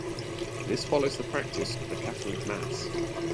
This follows the practice of the Catholic mass.